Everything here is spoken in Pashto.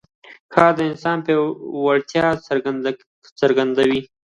کار د انسان وړتیاوې څرګندوي